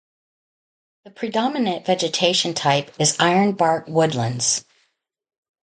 The predominate vegetation type is ironbark woodlands.